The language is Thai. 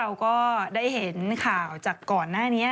เราก็ได้เห็นข่าวจากก่อนหน้านี้